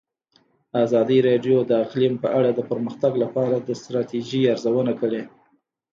ازادي راډیو د اقلیم په اړه د پرمختګ لپاره د ستراتیژۍ ارزونه کړې.